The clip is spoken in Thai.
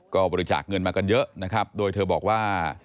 ก็บริจาคเงินมากันเยอะนะครับโดยเธอบอกว่า